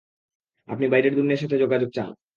আপনি বাইরের দুনিয়ার সাথে যোগাযোগ চান।